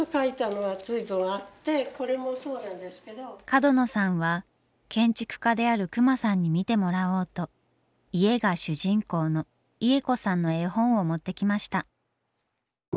角野さんは建築家である隈さんに見てもらおうと家が主人公のイエコさんの絵本を持ってきました。